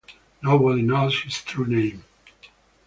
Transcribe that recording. Nobody knows his true name.